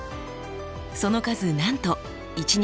その数なんと１日